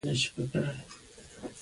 داوود خان بېرته راغی.